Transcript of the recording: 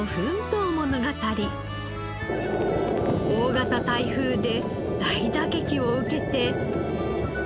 大型台風で大打撃を受けて。